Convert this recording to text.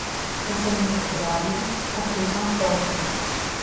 Casamento grávido, confusão pronta.